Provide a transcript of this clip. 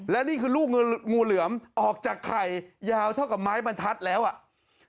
และนี่คือลูกงูเหลือมออกจากไข่ยาวเท่ากับไม้บรรทัศน์แล้วอ่ะ